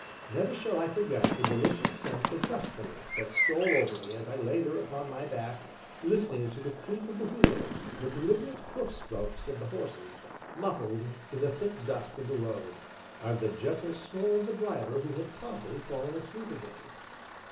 Never shall I forget the delicious sense of restfulness that stole over me as I lay there upon my back, listening to the creak of the wheels, the deliberate hoof strokes of the horses, muffled in the thick dust of the road, and the gentle snore of the driver who had promptly fallen asleep again.